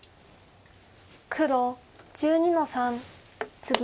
黒１２の三ツギ。